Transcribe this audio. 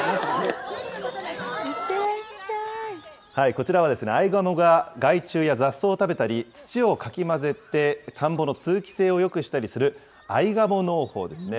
こちらは、アイガモが害虫や雑草を食べたり、土をかき混ぜて田んぼの通気性をよくしたりする、アイガモ農法ですね。